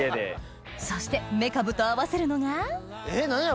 そしてメカブと合わせるのがえっ何や？